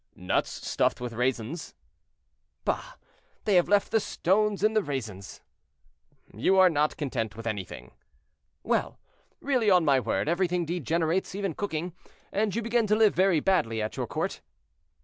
"Nuts stuffed with raisins." "Bah! they have left the stones in the raisins." "You are not content with anything." "Well! really, on my word, everything degenerates, even cooking, and you begin to live very badly at your court."